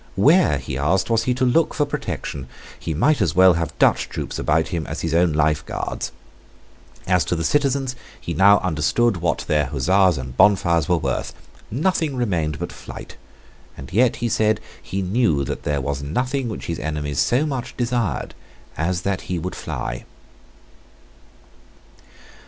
Where, he asked, was he to look for protection? He might as well have Dutch troops about him as his own Life Guards. As to the citizens, he now understood what their huzzas and bonfires were worth. Nothing remained but flight: and yet, he said, he knew that there was nothing which his enemies so much desired as that he would fly.